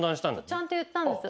ちゃんと言ったんです。